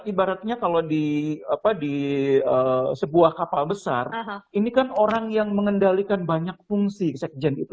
ibaratnya kalau di sebuah kapal besar ini kan orang yang mengendalikan banyak fungsi sekjen itu